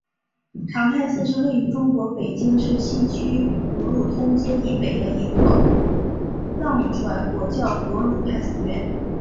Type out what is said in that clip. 长泰寺是位于中国北京市西城区五路通街以北的一座藏传佛教格鲁派寺院。